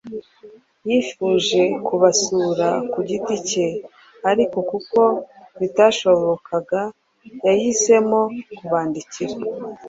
Yifuje kubasura ku giti cye ariko kuko bitashobokaga, yahisemo kubandikira.